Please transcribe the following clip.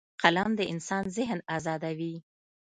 قلم د انسان ذهن ازادوي